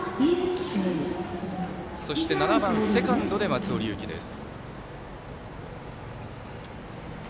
そして７番セカンドで松尾龍樹です。